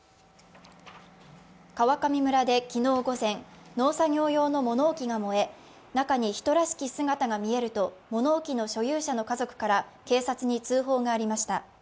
川上村で昨日午前、農作業用の物置が燃え中に人らしき姿が見えると物置の所有者の家族から警察に通報がありました。